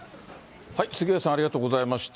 杉上さん、ありがとうございました。